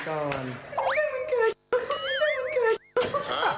มันไม่ใช่วันเกิด